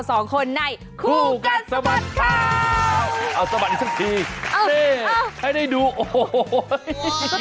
สวัสดีครับ